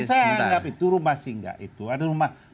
yang saya mengatakan itu rumah singga